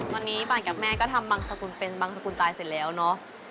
วันนี้ปานกับแม่ก็ทำบังสกุลเป็นบางสกุลตายเสร็จแล้วเนาะ